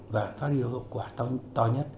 và phát triển hợp quả to nhất